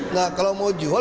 nah kalau mau jual